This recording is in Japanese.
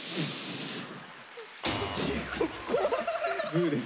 ブーです。